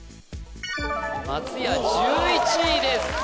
松屋１１位です